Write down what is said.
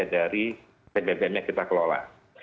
ya dari tbbm yang kita kelola